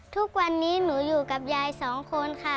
ทุกวันนี้หนูอยู่กับยายสองคนค่ะ